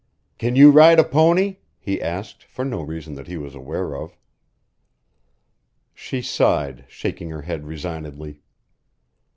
"Can you ride a pony?" he asked, for no reason that he was aware of. She sighed, shaking her head resignedly.